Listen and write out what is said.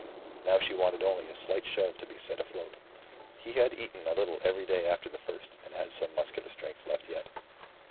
Now she wanted only a slight shove to be set afloat. He had eaten a little every day after the first, and had some muscular strength left yet.